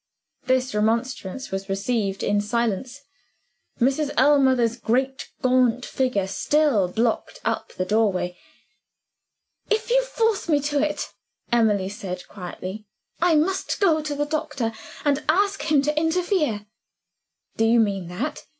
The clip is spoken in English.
This remonstrance was received in silence. Mrs. Ellmother's great gaunt figure still blocked up the doorway. "If you force me to it," Emily said, quietly, "I must go to the doctor, and ask him to interfere." "Do you mean that?"